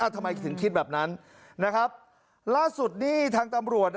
ทำไมถึงคิดแบบนั้นล่าสุดนี่ทางตำรวจ